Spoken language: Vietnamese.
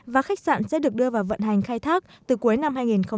và khách sạn sẽ được đưa vào vận hành khai thác từ cuối năm hai nghìn một mươi tám